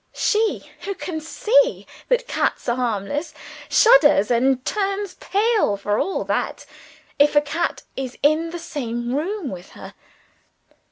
She, who can see that cats are harmless, shudders and turns pale, for all that, if a cat is in the same room with her.